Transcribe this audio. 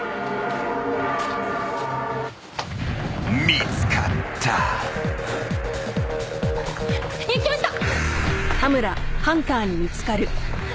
［見つかった］来ました。